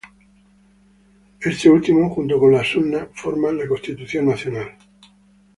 Este último, junto con la "Sunna", forman la constitución nacional.